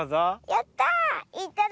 やった！